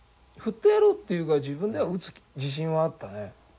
振ってやろうっていうか自分では打つ自信はあったね。